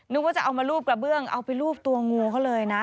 นึกว่าจะเอามารูปกระเบื้องเอาไปรูปตัวงูเขาเลยนะ